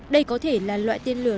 đây có thể là loại tên lửa